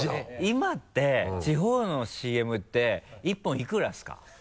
今って地方のＣＭって１本いくらですか？